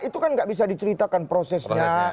itu kan nggak bisa diceritakan prosesnya